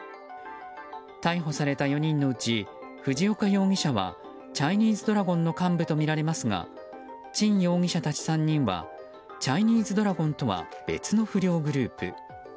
逮捕された４人のうち藤岡容疑者はチャイニーズドラゴンの幹部とみられますがチン容疑者たち３人はチャイニーズドラゴンとは別の不良グループ